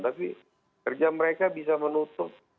tapi kerja mereka bisa menutup